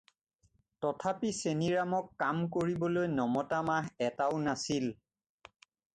তথাপি চেনিৰামক কাম কৰিবলৈ নমতা মাহ এটাও নাছিল।